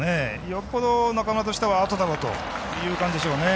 よっぽど中村としてはアウトだろうという感じでしょうね。